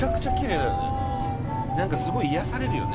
なんかすごい癒やされるよね。